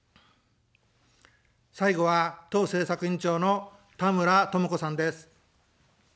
最後は党政策委員長の田村智子さんです。